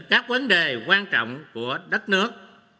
các vấn đề quan trọng của đất nước